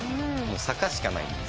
坂しかないです。